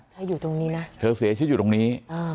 อยู่ตรงนี้นะเธอเสียชีวิตอยู่ตรงนี้